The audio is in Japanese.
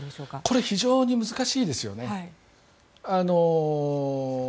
これ非常に難しいですよね。